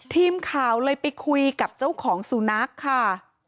ทีมข่าวเลยไปคุยกับเจ้าของสุนัขค่ะ